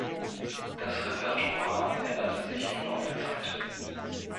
Das Repertoire änderte sich im Lauf der Zeit.